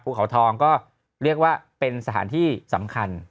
เขาทองก็เรียกว่าเป็นสถานที่สำคัญ